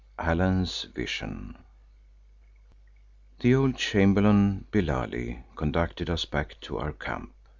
ALLAN'S VISION The old chamberlain, Billali, conducted us back to our camp.